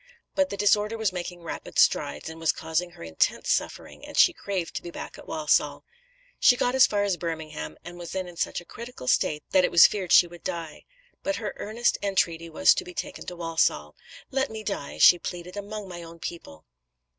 But the disorder was making rapid strides, and was causing her intense suffering, and she craved to be back at Walsall. She got as far as Birmingham, and was then in such a critical state that it was feared she would die. But her earnest entreaty was to be taken to Walsall. "Let me die," she pleaded, "among my own people."